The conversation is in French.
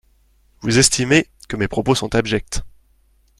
Vous estimez, que mes propos sont abjects.